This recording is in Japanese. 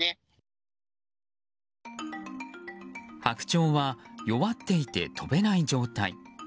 ハクチョウは弱っていて飛べない状態。